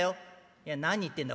「いや何言ってんだ。